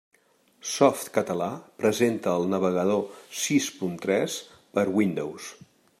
Softcatalà presenta el Navegador sis punt tres per a Windows.